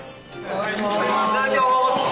いただきます！